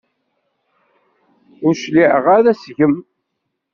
Ur cliɛeɣ ara seg-m.